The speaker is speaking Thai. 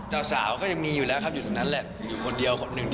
เจาสาวก็ยังมีอยู่แล้วครับอยู่ทั้งนั้นแหละคนเดียวกัน